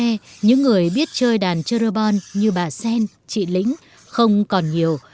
ở bản rào tre những người biết chơi đàn cherubon như bà xen chị lính không còn nhiều